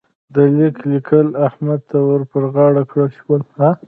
د ليک لیکل احمد ته ور پر غاړه کړل شول.